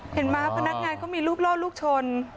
เห็นมั้ยครับพนักงานก็มีลูกลอลลูกชน